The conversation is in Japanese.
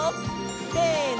せの！